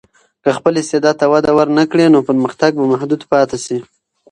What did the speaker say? که خپل استعداد ته وده ورنکړې، نو پرمختګ به محدود پاتې شي.